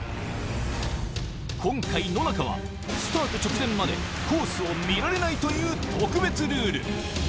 今回、野中はスタート直前までコースを見られないという特別ルール。